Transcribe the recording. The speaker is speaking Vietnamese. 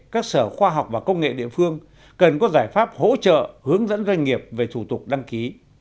các sở khoa học và công nghệ địa phương cần có giải pháp hỗ trợ hướng dẫn doanh nghiệp về thủ tục đăng ký